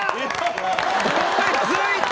追いついた！